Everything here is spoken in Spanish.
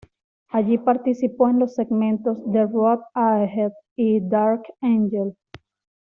Allí participó en los segmentos "The Road Ahead" y "Dark Angel".